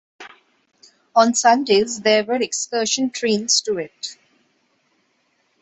On Sundays there were excursion trains to it.